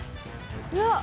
うわっ。